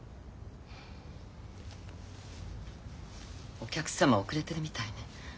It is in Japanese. お客様遅れてるみたいね。